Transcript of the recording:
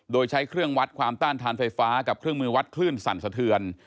โดยใช้เครื่องวัดความต้านทานไฟฟ้ากับเครื่องมือวัดคลื่นสั่นสะเทือน